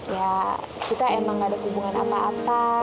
ya kita emang gak ada hubungan apa apa